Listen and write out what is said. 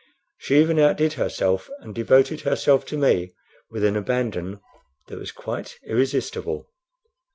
She even outdid herself, and devoted herself to me with an abandon that was quite irresistible.